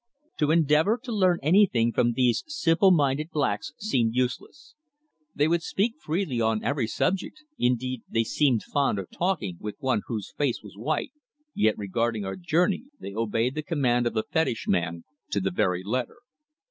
To endeavour to learn anything from these simple minded blacks seemed useless. They would speak freely on every subject, indeed they seemed fond of talking with one whose face was white, yet regarding our journey they obeyed the command of the fetish man to the very letter.